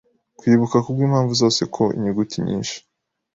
kwibuka kubwimpamvu zose ko inyuguti nyinshi